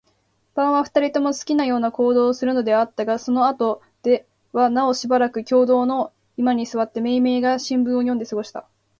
晩は、二人とも好きなような行動をするのではあったが、そのあとではなおしばらく共同の居間に坐って、めいめいが新聞を読んで過ごした。